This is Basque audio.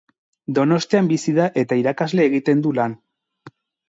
Donostian bizi da eta irakasle egiten du lan.